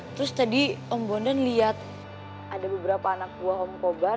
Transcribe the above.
terus tadi om bondan lihat ada beberapa anak buah omba